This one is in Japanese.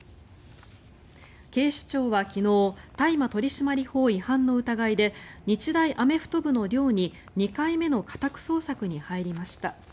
警視庁は昨日大麻取締法違反の疑いで日大アメフト部の寮に２回目の家宅捜索に入りました。